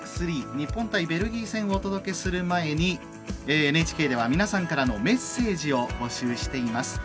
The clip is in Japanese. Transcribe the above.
日本対ベルギー戦をお届けする前にＮＨＫでは皆さんからのメッセージを募集しています。